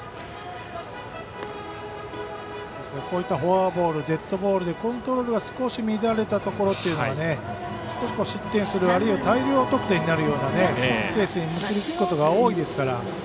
こういったフォアボールデッドボールでコントロールが少し乱れたところというのが少し失点するあるいは大量得点になるようなケースに結びつくことが多いですから。